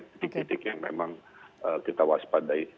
titik titik yang memang kita waspadai